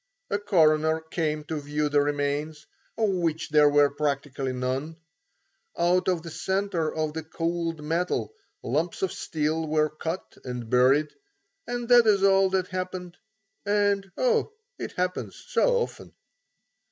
A coroner came to view the remains, of which there were practically none; out of the centre of the cooled metal, lumps of steel were cut and buried, and that is all that happened; and oh, it happens so often!